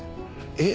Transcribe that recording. え？